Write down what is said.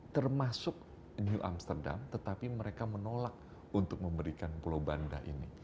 termasuk new amsterdam tetapi mereka menolak untuk memberikan pulau banda ini